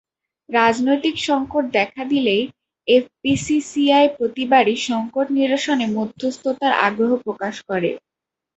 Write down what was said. রাজনৈতিকসংকট দেখা দিলেই এফবিসিসিআই প্রতিবারই সংকট নিরসনে মধ্যস্থতার আগ্রহ প্রকাশ করে।